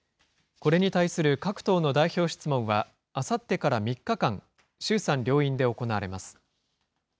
これに対する各党の代表質問は、あさってから３日間、衆参両院で行われます。